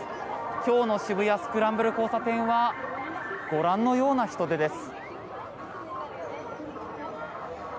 今日の渋谷・スクランブル交差点はご覧のような人出です。